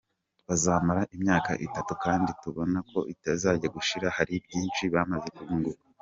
Bazamara imyaka itatu kandi tubona ko izajya gushira hari byinshi bamaze kunguka.